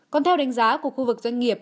còn theo đánh giá của khu vực doanh nghiệp